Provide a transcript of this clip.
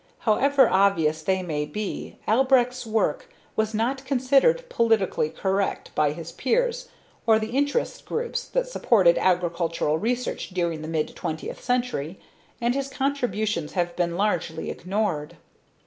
However obvious they may be, Albrecht's work was not considered politically correct by his peers or the interest groups that supported agricultural research during the mid twentieth century and his contributions have been largely ignored.